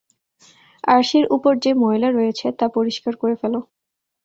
আরশির উপর যে ময়লা রয়েছে, তা পরিষ্কার করে ফেল।